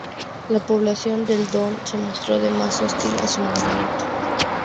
La población del Don se mostró además hostil a su movimiento.